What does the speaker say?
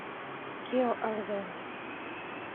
Kio alvenos?